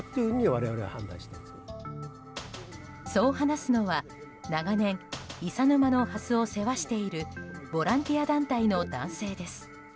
そう話すのは、長年伊佐沼のハスを世話しているボランティア団体の男性です。